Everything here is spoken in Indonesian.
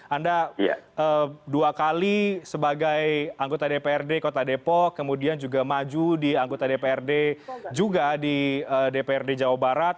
anda dua kali sebagai anggota dprd kota depok kemudian juga maju di anggota dprd juga di dprd jawa barat